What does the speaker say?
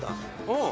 うん！